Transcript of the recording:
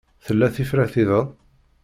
Tella tifrat-iḍen?